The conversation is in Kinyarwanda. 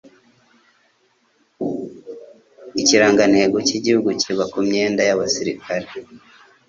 ikirangantego cy'igihugu kiba kumyenda y'abasirikrae.